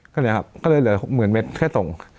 ก็เลยเหลือ๖๐๐๐๐เมตรแค่ส่ง